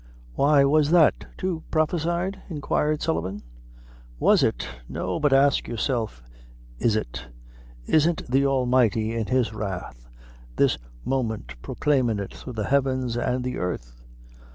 "Why, was that, too, prophesied?" inquired Sullivan. "Was it? No; but ax yourself is it. Isn't the Almighty in his wrath, this moment proclaimin' it through the heavens and the airth?